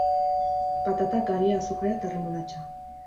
Patatak, garia, azukrea eta erremolatxa.